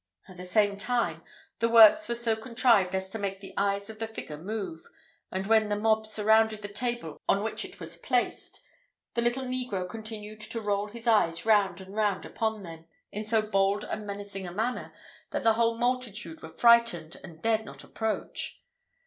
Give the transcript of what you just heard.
At the same time, the works were so contrived, as to make the eyes of the figure move; and when the mob surrounded the table on which it was placed, the little negro continued to roll his eyes round and round upon them, in so bold and menacing a manner, that the whole multitude were frightened, and dared not approach!